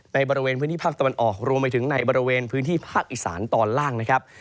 ในบริเวณพื้นที่ภาคตะวันออกรวมไปถึงในบริเวณพื้นที่ภาคอีสานตอนล่างนะครับ